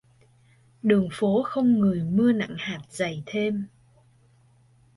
Đường phố không người mưa nặng hạt dày thêm